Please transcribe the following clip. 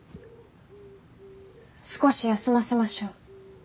少し休ませましょう。